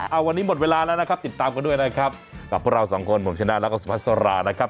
เอาวันนี้หมดเวลาแล้วนะครับติดตามกันด้วยนะครับกับพวกเราสองคนผมชนะแล้วก็สุพัสรานะครับ